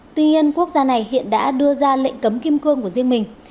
tuy nhiên quốc gia này hiện đã đưa ra lệnh cấm kim cương của riêng mình